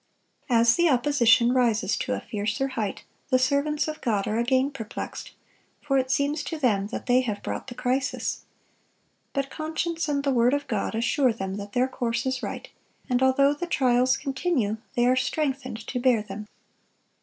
As the opposition rises to a fiercer height, the servants of God are again perplexed; for it seems to them that they have brought the crisis. But conscience and the word of God assure them that their course is right; and although the trials continue, they are strengthened to bear them.